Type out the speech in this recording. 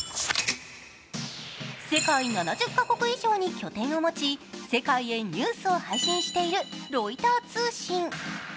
世界７０か国以上に拠点を持ち、世界へニュースを配信しているロイター通信。